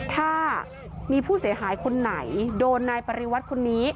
ถ้ามีผู้เสียหายคนไหนโดนนายปริวัติคนนี้